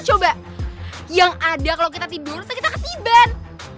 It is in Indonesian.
coba yang ada kalau kita tidur kita ketiban